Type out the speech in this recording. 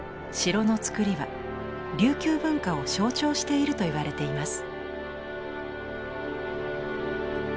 城のつくりは琉球文化を象徴しているといわれています。